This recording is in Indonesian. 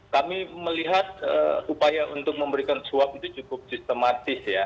kami melihat upaya untuk memberikan suap itu cukup sistematis ya